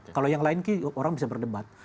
kalau yang lain orang bisa berdebat